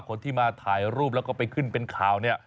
คนที่มาถ่ายรูปแล้วก็ไปขึ้นเป็นข่าวเนี่ย